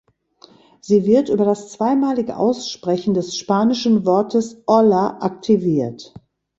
Sie wird über das zweimalige Aussprechen des spanischen Wortes „Hola“ aktiviert.